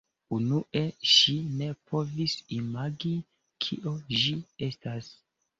Unue ŝi ne povis imagi kio ĝi estas.